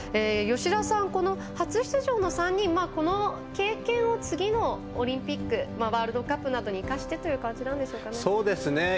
吉田さん、初出場の３人この経験を次のオリンピックやワールドカップに生かしてという感じですかね。